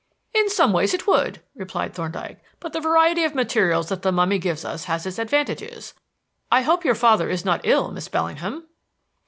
"In some ways it would," replied Thorndyke, "but the variety of materials that the mummy gives us has its advantages. I hope your father is not ill, Miss Bellingham."